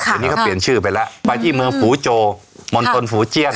ค่ะเดี๋ยวนี้เขาเปลี่ยนชื่อไปแล้วไปที่เมืองฝูโจค่ะมอนตนฝูเจียก